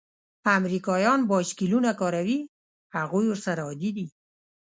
امریکایان بایسکلونه کاروي؟ هغوی ورسره عادي دي.